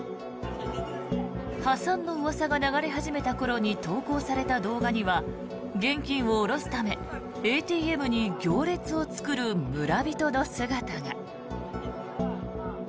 破産のうわさが流れ始めた頃に投稿された動画には現金を下ろすためＡＴＭに行列を作る村人の姿が。